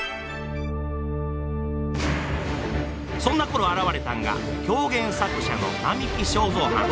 そんなころ現れたんが狂言作者の並木正三はん。